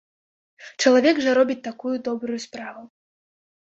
Чалавек жа робіць такую добрую справу.